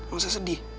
gak usah sedih